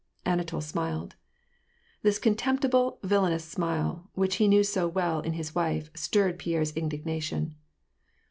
Anatol smiled. This contemptible, villanous smile, which he knew so well in his wife, stirred Pierre's indignation.